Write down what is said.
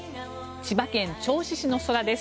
千葉県銚子市の空です。